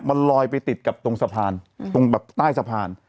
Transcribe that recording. มันลอยไปติดกับตรงสะพานตรงแบบใต้สะพาน